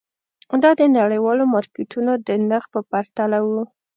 دا د نړیوالو مارکېټونو د نرخ په پرتله وو.